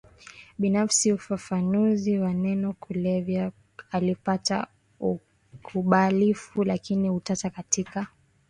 binafsiUfafanuzi wa neno kulevya ulipata ukubalifu lakini utata katika